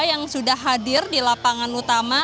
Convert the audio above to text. yang sudah hadir di lapangan utama